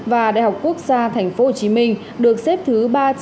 và đại học quốc gia tp hcm được xếp thứ ba trăm hai mươi hai